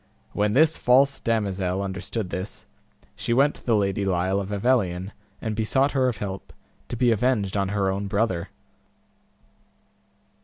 When this false damosel understood this, she went to the Lady Lile of Avelion, and besought her of help, to be avenged on her own brother.